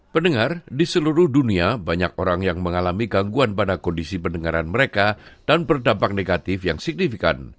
pendengar di seluruh dunia banyak orang yang mengalami gangguan pada kondisi pendengaran mereka dan berdampak negatif yang signifikan